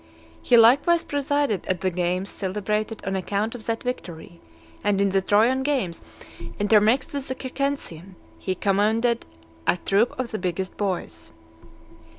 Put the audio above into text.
He likewise presided at the games celebrated on account of that victory; and in the Trojan games intermixed with the Circensian, he commanded a troop of the biggest boys.